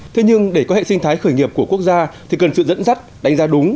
thế nhưng để có hệ sinh thái khởi nghiệp của quốc gia thì cần sự dẫn dắt đánh giá đúng